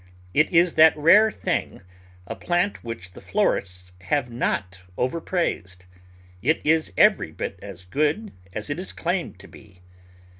It is that rare thing — a plant which the florists have not overpraised. It is every bit as good as it is claimed to be.